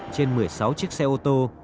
trên một mươi sáu chiếc xe ô tô